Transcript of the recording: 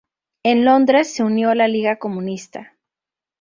En Londres, se unió a la Liga Comunista.